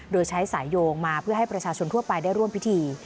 โดยใช้สายโยงมาเพื่อให้ประชาชนทั่วไปได้ร่วมพิธี